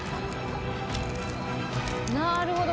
なるほど。